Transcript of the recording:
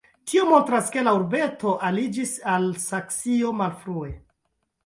Tio montras, ke la urbeto aliĝis al Saksio malfrue.